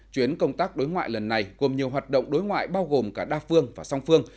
chuyến công tác đối ngoại lần này gồm nhiều hoạt động đối ngoại bao gồm cả đa phương và song phương